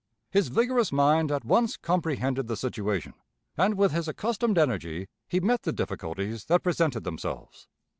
His vigorous mind at once comprehended the situation, and, with his accustomed energy, he met the difficulties that presented themselves.